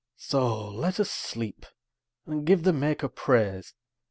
So let us sleep, and give the Maker praise.